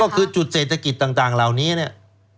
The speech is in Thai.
ก็คือจุดเศรษฐกิจต่างเหล่านี้เนี่ย